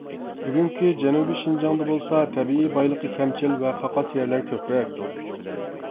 بۈگۈنكى جەنۇبى شىنجاڭدا بولسا تەبىئىي بايلىقى كەمچىل، ۋە قاقاس يەرلەر كۆپرەك.